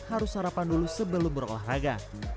harus sarapan dulu sebelum berolahraga